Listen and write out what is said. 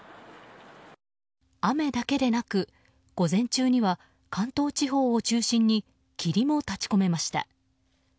雨だけでなく午前中には関東地方を中心に霧も立ち込めました。